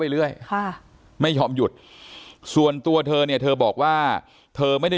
เรื่อยค่ะไม่ยอมหยุดส่วนตัวเธอเนี่ยเธอบอกว่าเธอไม่ได้